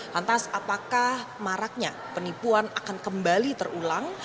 lantas apakah maraknya penipuan akan kembali terulang